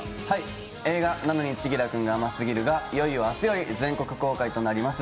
映画「なのに、千輝くんが甘すぎる」がいよいよ明日より全国公開となります。